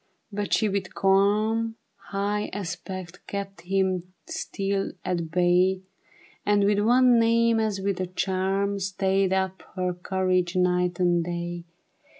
But she with cahii, High aspect kept him still at bay, And with one name as with a charm, Stayed up her courage night and day.